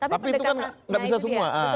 tapi itu kan nggak bisa semua